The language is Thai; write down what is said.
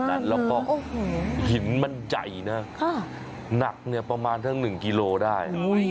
แล้วก็หินมันใหญ่นะหนักเนี่ยประมาณทั้ง๑กิโลได้